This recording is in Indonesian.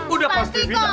udah pasti bisa